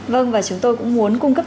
vâng và chúng tôi cũng muốn cung cấp